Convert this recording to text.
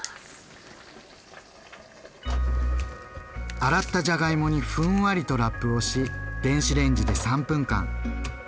洗ったじゃがいもにふんわりとラップをし電子レンジで３分間。